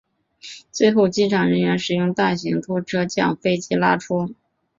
最后机场人员使用大型拖车将飞机拉出。